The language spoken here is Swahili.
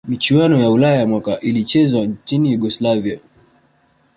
michuano ya ulaya mwaka ilichezwa nchini yugoslavia